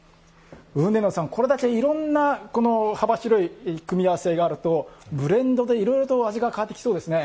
采野さん、これだけいろんな幅広い組み合わせがあるとブレンドで、いろいろと味が変わってきそうですね。